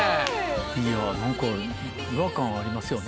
いや何か違和感ありますよね